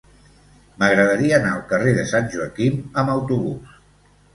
M'agradaria anar al carrer de Sant Joaquim amb autobús.